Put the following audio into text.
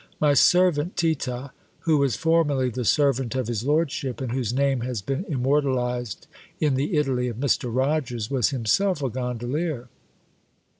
My servant Tita, who was formerly the servant of his lordship, and whose name has been immortalised in the "Italy" of Mr. Rogers, was himself a gondolier.